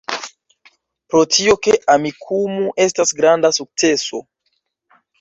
Pro tio, ke Amikumu estas granda sukceso